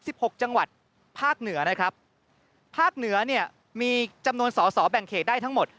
หกจังหวัดภาคเหนือนะครับภาคเหนือเนี่ยมีจำนวนสอสอแบ่งเขตได้ทั้งหมด